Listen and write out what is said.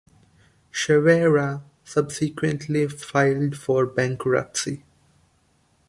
Ceverha subsequently filed for bankruptcy.